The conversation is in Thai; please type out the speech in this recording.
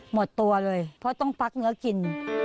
หมดตัวเลยเพราะต้องฟักเนื้อกิน